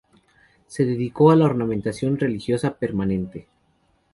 Se dedicó a la ornamentación religiosa permanente.